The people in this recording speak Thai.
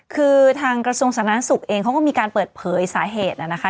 คือทางกระทรวงสาธารณสุขเองเขาก็มีการเปิดเผยสาเหตุนะคะ